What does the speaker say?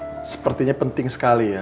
ini saya rasa sepertinya penting sekali ya